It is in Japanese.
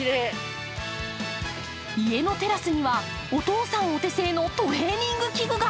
家のテラスには、お父さんお手製のトレーニング器具が。